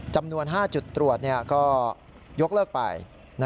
จำนวน๕จุดตรวจก็ยกเลิกไป